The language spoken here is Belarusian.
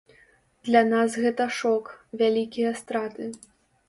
Для нас гэта шок, вялікія страты.